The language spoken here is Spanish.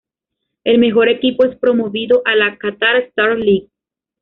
El mejor equipo es promovido a la Qatar Stars League.